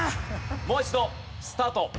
もう一度スタート。